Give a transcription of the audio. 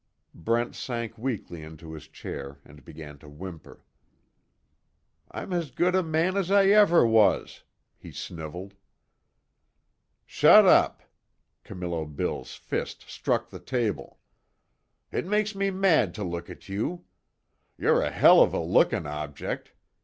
Brent sank weakly into his chair and began to whimper: "I'm as good a man as I ever was," he sniveled. "Shut up!" Camillo Bill's fist struck the table, "It makes me mad to look at you! You're a hell of a lookin' object.